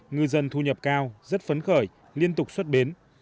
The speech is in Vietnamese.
ngư dân thu nhập cao rất phấn khởi liên tục xuất bến